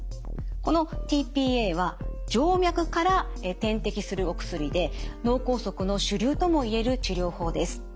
このｔ−ＰＡは静脈から点滴するお薬で脳梗塞の主流とも言える治療法です。